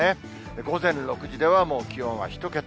午前６時ではもう、気温は１桁。